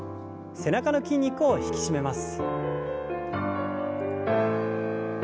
背中の筋肉を引き締めます。